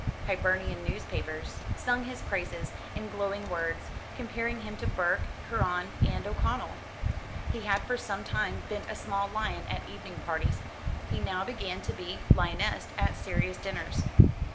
Hibernian newspapers sung his praises in glowing words, comparing him to Burke, Curran, and O'Connell. He had for some time been a small lion at evening parties; he now began to be lionised at serious dinners.